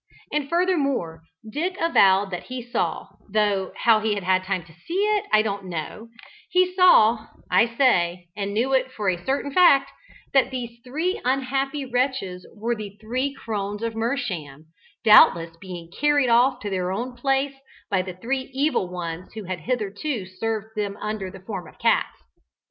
And furthermore, Dick avowed that he saw though how he had time to see it I don't know he saw, I say, and knew it for a certain fact, that these three unhappy wretches were the three crones of Mersham, doubtless being carried off to their own place by the three evil ones who had hitherto served them under the form of cats.